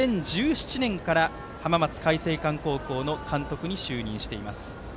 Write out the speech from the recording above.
２０１７年から浜松開誠館の監督に就任しています。